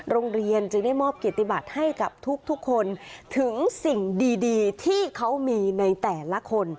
โรงเรียนจึงได้มอบเกียรติบัติให้กับทุกคนถึงสิ่งดีที่เขามีในแต่ละคน